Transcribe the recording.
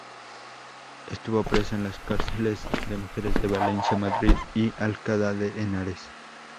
Estuvo presa en las cárceles de mujeres de Valencia, Madrid y Alcalá de Henares.